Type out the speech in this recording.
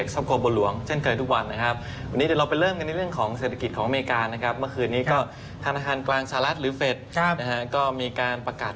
สวัสดีคุณกอล์ฟและท่านท่านผู้ชมทางบ้าน